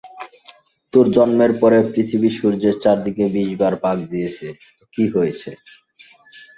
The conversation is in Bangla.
তোর জন্মের পরে পৃথিবী সূর্যের চারদিকে বিশ বার পাক দিয়েছে, তো কী হয়েছে?